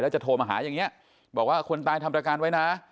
จะโทรมาหาอย่างนี้บอกว่าคนตายทำประกันไว้นะ